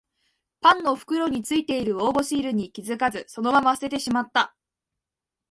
パンの袋についてる応募シールに気づかずそのまま捨ててしまった